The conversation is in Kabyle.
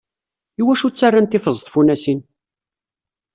Iwacu ttarrant ifeẓ tfunasin?